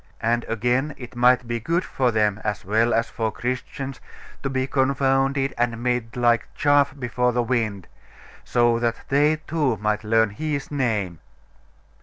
And, again, it might be good for them, as well as for Christians, to be confounded and made like chaff before the wind, that so they too might learn His Name....